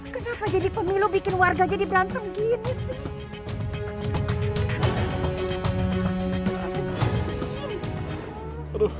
kenapa jadi pemilu bikin warga jadi berantem gini sih